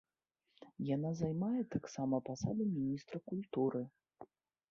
Яна займае таксама пасаду міністра культуры.